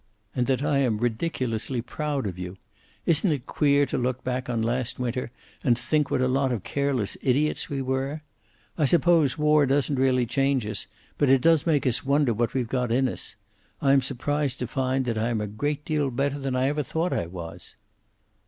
And that I am ridiculously proud of you. Isn't it queer to look back on last Winter and think what a lot of careless idiots we were? I suppose war doesn't really change us, but it does make us wonder what we've got in us. I am surprised to find that I am a great deal better than I ever thought I was!"